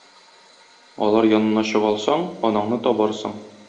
Алар янына чыга алсаң, анаңны табарсың.